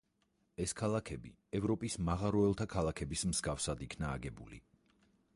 ეს ქალაქები ევროპის მაღაროელთა ქალაქების მსგავსად იქნა აგებული.